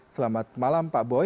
selamat malam pak boy